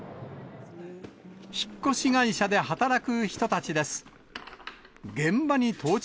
引っ越し会社で働く人たちです。